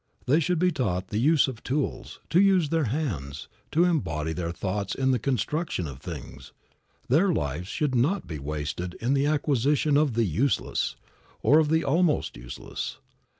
They should be taught the use of tools, to use their hands, to embody their thoughts in the construction of things. Their lives should not be wasted in the acquisition of the useless, or of the almost useless.